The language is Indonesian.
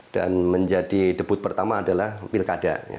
dan menjadi debut pertama adalah wilkada